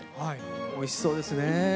おいしそうですね。